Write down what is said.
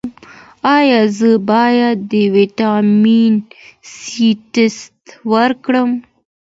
ایا زه باید د ویټامین سي ټسټ وکړم؟